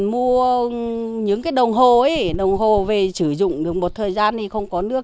mua những cái đồng hồ ấy đồng hồ về chỉ dùng được một thời gian thì không có nước